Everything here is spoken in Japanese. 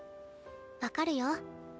分かるよ。